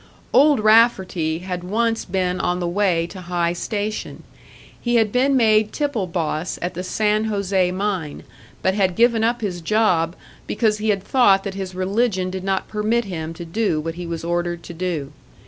"Old Rafferty" had once been on the way to high station. He had been made tipple boss at the San José mine, but had given up his job because he had thought that his religion did not permit him to do what he was ordered to do.